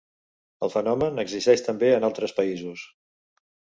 El fenomen existeix també en altres països.